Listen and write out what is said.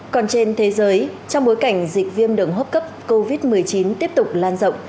còn trên thế giới trong bối cảnh dịch viêm đường hô hấp cấp covid một mươi chín tiếp tục lan rộng